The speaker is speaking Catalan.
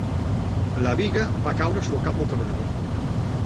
La biga va caure sobre el cap del treballador.